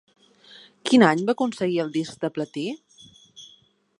Quin any va aconseguir el disc de platí?